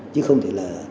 chứ không thể là